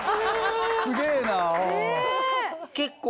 すげえな。